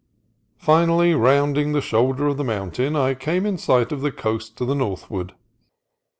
Finally rounding the shoulder of the mountain I came in sight of the coast to the northward.